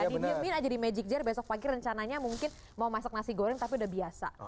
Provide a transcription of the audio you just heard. dimiemin aja di magic jar besok pagi rencananya mungkin mau masak nasi goreng tapi udah biasa